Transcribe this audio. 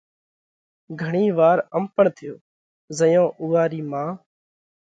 گھڻِي وار ام پڻ ٿيو زئيون اُوئا رِي مان،